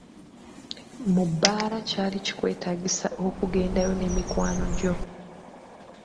Mu bbaala kyali kikwetaagisa okugendayo ne mikwano gyo!